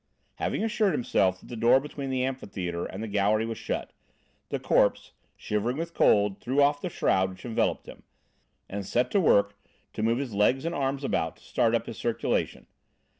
Having assured himself that the door between the amphitheatre and the gallery was shut, the corpse, shivering with cold, threw off the shroud which enveloped him, and set to work to move his legs and arms about to start up his circulation.